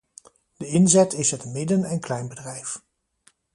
De inzet is het midden- en kleinbedrijf.